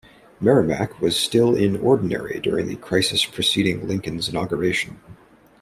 "Merrimack" was still in ordinary during the crisis preceding Lincoln's inauguration.